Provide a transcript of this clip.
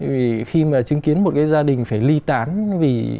vì khi mà chứng kiến một cái gia đình phải ly tán vì